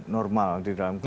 normal di dalam kondisi